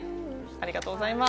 ありがとうございます！